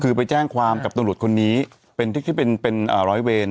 คือไปแจ้งความกับตำรวจคนนี้เป็นที่คิดเป็นเป็นร้อยเวร